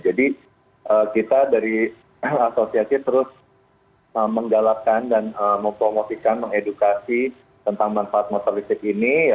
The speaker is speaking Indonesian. jadi kita dari asosiasi terus menggalakkan dan mempromosikan mengedukasi tentang manfaat motor listrik ini